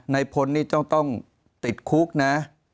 ในพลนี่ต้องติดคุกนะ